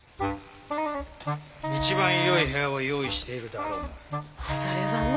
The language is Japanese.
一番よい部屋を用意しているだろうな。